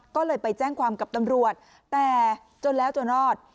ก็เลยไปแจ้งความกับตำรวจแต่จนแล้วจนรอด